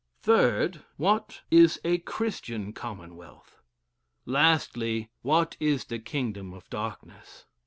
"3rd. What is a Christian Commonwealth. "Lastly, what is the kingdom of darkness.